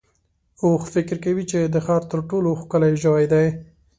اوښ فکر کوي چې د ښار تر ټولو ښکلی ژوی دی.